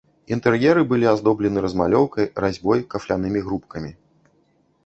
Інтэр'еры былі аздоблены размалёўкай, разьбой, кафлянымі грубкамі.